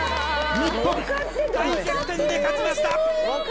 日本、大逆転で勝ちました。